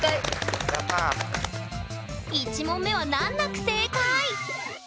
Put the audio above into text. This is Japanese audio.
１問目は難なく正解！